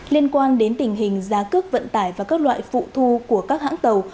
liên quan đến tình hình giá cước vận tải và các loại phụ thu của các hãng tàu